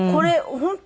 本当。